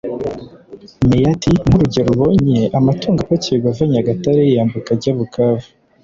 Meya ati “ Nk’urugero ubonye amatungo apakirwa ava Nyagatare yambuka ajya Bukavu